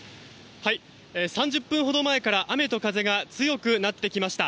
３０分ほど前から雨と風が強くなってきました。